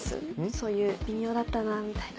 そういう微妙だったなみたいな。